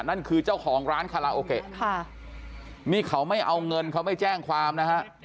นั่นคือเจ้าของร้านคาราโอเกะค่ะนี่เขาไม่เอาเงินเขาไม่แจ้งความนะฮะ